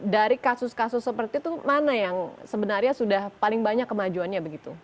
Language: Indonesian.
dari kasus kasus seperti itu mana yang sebenarnya sudah paling banyak kemajuannya begitu